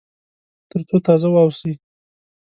تر څو تازه واوسي.